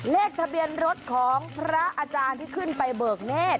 เลขทะเบียนรถของพระอาจารย์ที่ขึ้นไปเบิกเนธ